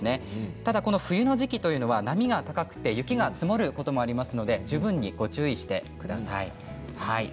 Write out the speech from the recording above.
ただ冬の時期というのは波が高くて雪が積もることもありますので十分にご注意してください。